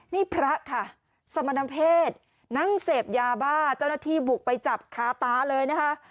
นี่พระค่ะสมณเพศนั่งเสพยาบ้าเจ้าหน้าที่บุกไปจับคาตาเลยนะคะ